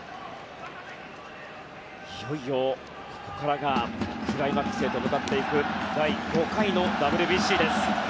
いよいよ、ここからがクライマックスへと向かっていく第５回のＷＢＣです。